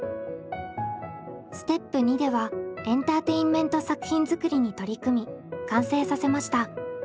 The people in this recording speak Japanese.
ステップ２ではエンターテインメント作品作りに取り組み完成させました。